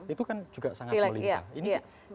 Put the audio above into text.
itu kan juga sangat melimpah